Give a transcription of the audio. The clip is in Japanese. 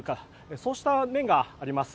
そうした面があります。